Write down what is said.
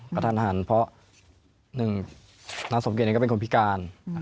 กระทันหันเพราะหนึ่งนางสมเกียจเองก็เป็นคนพิการ